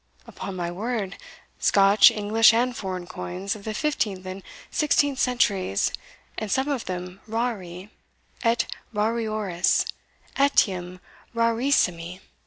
"Upon my word Scotch, English, and foreign coins, of the fifteenth and sixteenth centuries, and some of them rari et rariores etiam rarissimi!